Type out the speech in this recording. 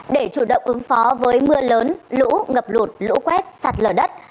để chủ động ứng phó với mưa lớn lũ ngập lụt lũ quét sạt lở đất